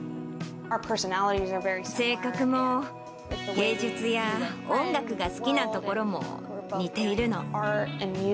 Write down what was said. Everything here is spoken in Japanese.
性格も芸術や音楽が好きなところも似ているの。